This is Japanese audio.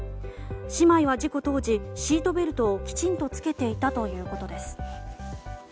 姉妹は事故当時、シートベルトをきちんと着けていたということです。